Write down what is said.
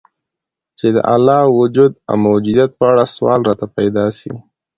چي د الله د وجود او موجودیت په اړه سوال راته پیدا سي